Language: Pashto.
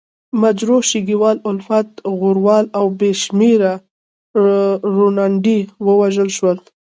مجروح، شګیوال، الفت، غروال او بې شمېره روڼاندي ووژل شول.